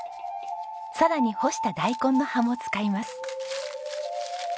さらに干した大根の葉も使います。